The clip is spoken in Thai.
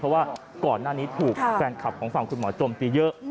เพราะว่าก่อนหน้านี้ถูกแฟนคลับของฝั่งคุณหมอโจมตีเยอะ